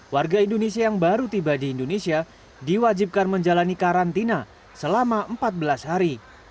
warga indonesia yang baru tiba di indonesia diwajibkan menjalani karantina selama empat belas hari